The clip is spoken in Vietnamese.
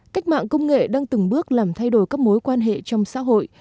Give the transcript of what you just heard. cách mạng công nghệ đang từng bước làm thay đổi các mối quan hệ trong xã hội